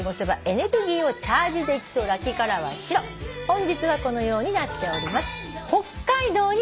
本日はこのようになっております。